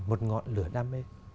một ngọn lửa đam mê